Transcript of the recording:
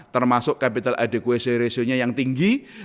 termasuk capital adequation ratio nya yang tinggi